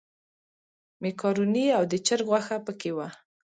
مېکاروني او د چرګ غوښه په کې وه.